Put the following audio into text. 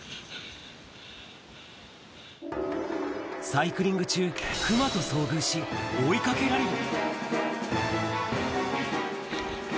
サイクリング中、熊と遭遇し、追いかけられる。